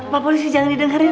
pak polisi jangan didengerin